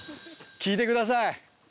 聞いてください